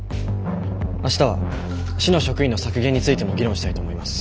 明日は市の職員の削減についても議論したいと思います。